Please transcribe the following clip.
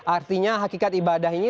artinya hakikat ibadah ini